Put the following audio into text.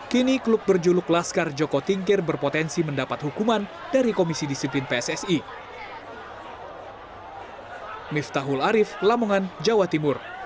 kini klub berjuluk laskar joko tingkir berpotensi mendapat hukuman dari komisi disiplin pssi